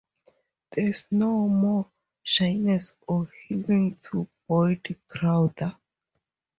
There is no more shyness or healing to Boyd Crowder.